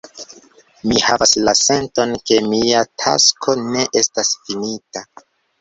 Mi havas la senton, ke mia tasko ne estas finita.